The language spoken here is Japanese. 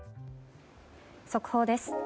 速報です。